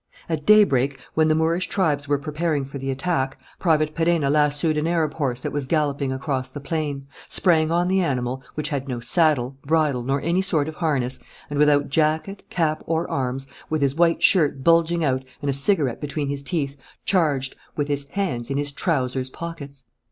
At daybreak, when the Moorish tribes were preparing for the attack, Private Perenna lassoed an Arab horse that was galloping across the plain, sprang on the animal, which had no saddle, bridle, nor any sort of harness, and without jacket, cap, or arms, with his white shirt bulging out and a cigarette between his teeth, charged, with his hands in his trousers pockets!